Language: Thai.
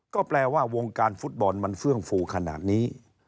ก็แปลว่าวงการฟุตบอลมันเฟื่องฟูขนาดนี้